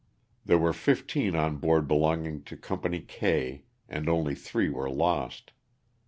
There were fifteen on board belonging to Company K, and only three were lost.